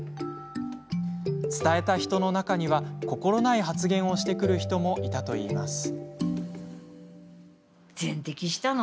伝えた人の中には心ない発言をしてくる人もいたといいます。